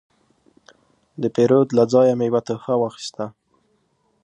د پیرود له ځایه مې یو تحفه واخیسته.